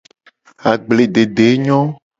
Agbledede nyo.